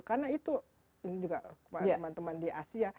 karena itu juga teman teman di asia